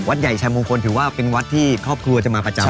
ใหญ่ชายมงคลถือว่าเป็นวัดที่ครอบครัวจะมาประจำ